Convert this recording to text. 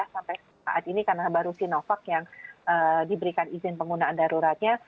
sampai saat ini karena baru sinovac yang diberikan izin penggunaan daruratnya